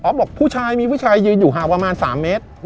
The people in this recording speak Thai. บอกผู้ชายมีผู้ชายยืนอยู่ห่างประมาณ๓เมตร